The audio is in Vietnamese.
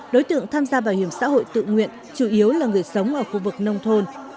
đối tượng tham gia bảo hiểm xã hội tự nguyện chủ yếu là người sống ở khu vực nông thôn